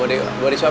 oh mau dicopin ya